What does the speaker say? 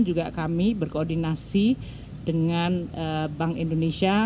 juga kami berkoordinasi dengan bank indonesia